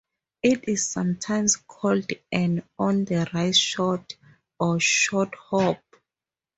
It is sometimes called an "on the rise shot", or "short hop".